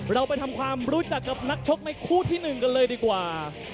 เราไปทำความรู้จักกับนักชกในคู่ที่๑กันเลยดีกว่า